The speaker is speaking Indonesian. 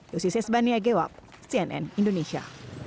yusis esbani agewab cnn indonesia